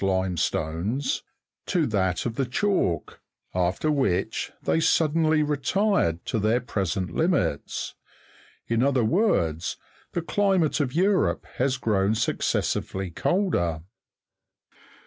limestones to that of the chalk, after which they suddenly retired to their present limits ; in other words, the climate of Europe has grown successively colder.